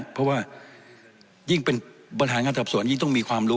เพราะว่ายิ่งเป็นบริหารงานสอบสวนยิ่งต้องมีความรู้